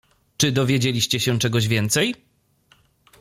"Czy dowiedzieliście się czegoś więcej?"